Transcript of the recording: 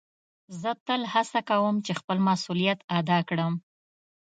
زه تل هڅه کؤم چي خپل مسؤلیت ادا کړم.